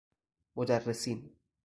مدرسین